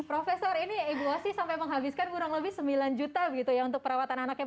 profesor ini ibu asyik sampai menghabiskan kurang lebih sembilan juta untuk perawatan anaknya